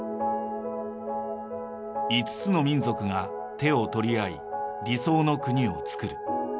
５つの民族が手を取り合い理想の国をつくる。